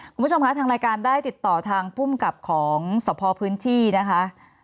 คุณผู้ชมคะทางรายการได้ติดต่อทางภูมิกับของสพพื้นที่นะคะ